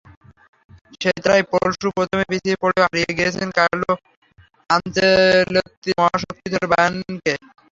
সেই তারাই পরশু প্রথমে পিছিয়ে পড়েও হারিয়ে দিয়েছে কার্লো আনচেলত্তির মহাশক্তিধর বায়ার্নকে।